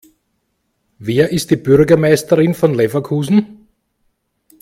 Wer ist die Bürgermeisterin von Leverkusen?